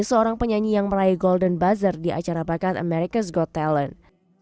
seorang penyanyi yang merayai golden bazaar di acara bakat america's got talent